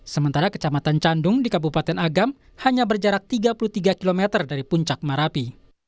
sementara kecamatan candung di kabupaten agam hanya berjarak tiga puluh tiga km dari puncak marapi